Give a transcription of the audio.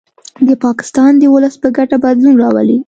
د پاکستان د ولس په ګټه بدلون راولي